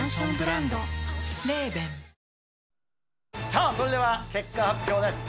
さあ、それでは結果発表です。